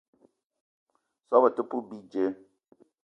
Soobo te poup bidjeu.